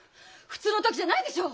普通の時じゃないでしょ！？